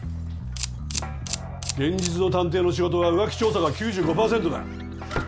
現実の探偵の仕事は浮気調査が９５％だ。